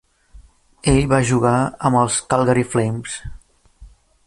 Ell va jugar amb els Calgary Flames.